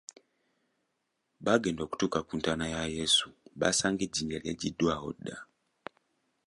Baagenda okutuuka ku ntaana ya Yesu baasanga ejjinja lyagiddwawo dda.